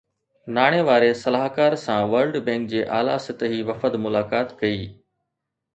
ناڻي واري صلاحڪار سان ورلڊ بينڪ جي اعليٰ سطحي وفد ملاقات ڪئي